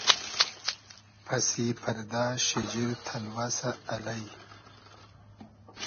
پئسی پئردۂ شیجیر تئلوئسۂ الݷ